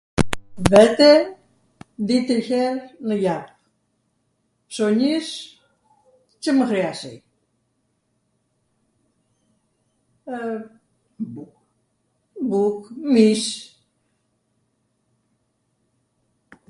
Vete di tri her nw jav. Psonis Cw mw hriazet. W, buk, mish.